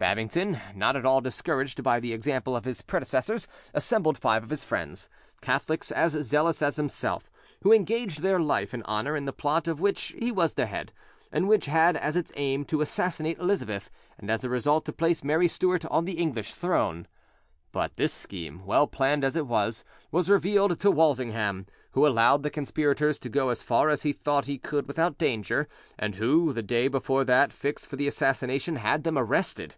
Babington, not at all discouraged by the example of his predecessors, assembled five of his friends, Catholics as zealous as himself, who engaged their life and honour in the plot of which he was the head, and which had as its aim to assassinate Elizabeth, and as a result to place Mary Stuart on the English throne. But this scheme, well planned as it was, was revealed to Walsingham, who allowed the conspirators to go as far as he thought he could without danger, and who, the day before that fixed for the assassination, had them arrested.